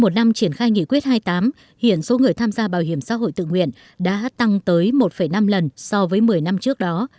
trong năm triển khai nghị quyết hai mươi tám hiện số người tham gia bảo hiểm xã hội tự nguyện đã tăng tới một năm lần so với một mươi năm trước đó